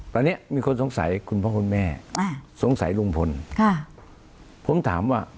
ตอนนี้มีคนสงสัยคุณพ่อคุณแม่สงสัยลุงพลค่ะผมถามว่า